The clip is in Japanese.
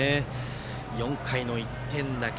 ４回の１点だけ。